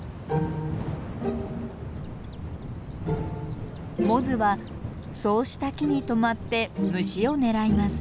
モズはそうした木にとまって虫を狙います。